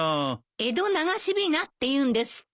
江戸流しびなっていうんですって。